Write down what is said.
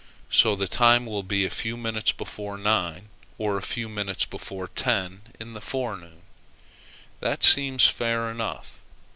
So the time will be a few minutes before nine, or a few minutes before ten, in the forenoon. That seems fair enough.